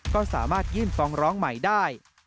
ก็สามารถยื่นฟ้องร้องใหม่ได้